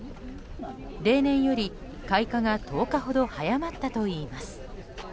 例年より開花が１０日ほど早まったといいます。